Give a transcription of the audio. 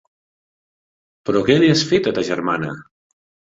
Però què li has fet, a ta germana?